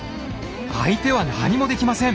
相手は何もできません！